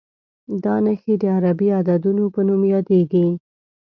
دا نښې د عربي عددونو په نوم یادېږي.